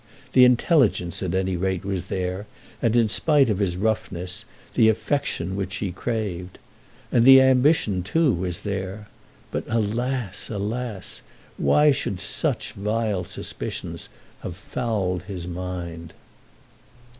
The intelligence at any rate was there, and, in spite of his roughness, the affection which she craved. And the ambition, too, was there. But, alas, alas! why should such vile suspicions have fouled his mind?